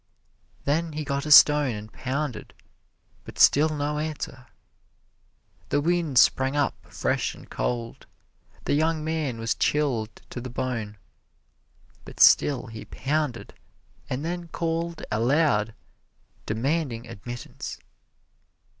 Then he got a stone and pounded, but still no answer. The wind sprang up fresh and cold. The young man was chilled to the bone, but still he pounded and then called aloud demanding admittance.